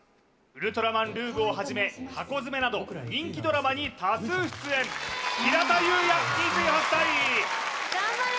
「ウルトラマンＲ／Ｂ」をはじめ「ハコヅメ」など人気ドラマに多数出演平田雄也２８歳